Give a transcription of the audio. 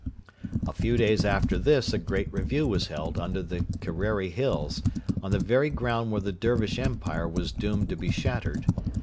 A few days after this a great review was held under the Kerreri hills, on the very ground where the Dervish Empire was doomed to be shattered.